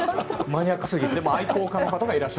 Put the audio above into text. マニアックすぎて。